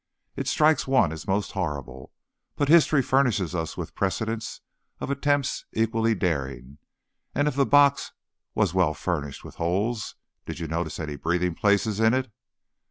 It strikes one as most horrible, but history furnishes us with precedents of attempts equally daring, and if the box was well furnished with holes did you notice any breathing places in it?"